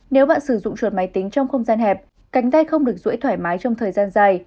nếu bạn sử dụng chuột máy tính trong không gian hẹp cánh tay không được rỗi thoải mái trong thời gian dài